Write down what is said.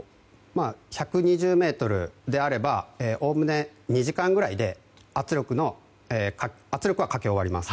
１２０ｍであればおおむね２時間ぐらいで圧力は、かけ終わります。